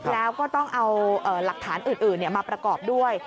แล้วก็ต้องเอาหลักฐานอื่นมาประกอบด้วย